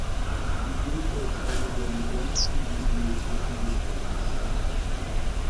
Sie gilt als eine der modernsten Bibliotheken des Landes.